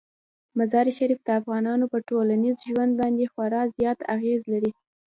مزارشریف د افغانانو په ټولنیز ژوند باندې خورا زیات اغېز لري.